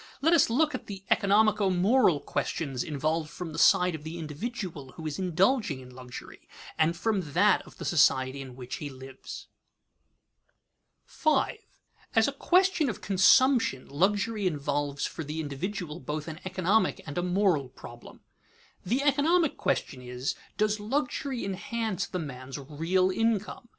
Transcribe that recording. Let us look at the economico moral questions involved from the side of the individual who is indulging in luxury, and from that of the society in which he lives. [Sidenote: Happiness and the simple life] 5. As a question of consumption luxury involves for the individual both an economic and a moral problem. The economic question is, Does luxury enhance the man's real income?